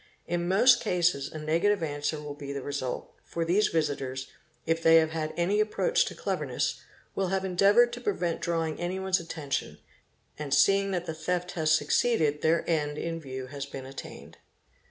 In most cases a negative answer will be the result, for these visitors, if they have had any approach to cleverness, will have endeavoured to prevent drawing any one's atten tion; and seeing that the theft has succeeded their end in view has been attained.